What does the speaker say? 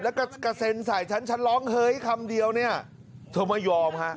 แล้วก็กระเซ็นใส่ฉันฉันร้องเฮ้ยคำเดียวเนี่ยเธอไม่ยอมฮะ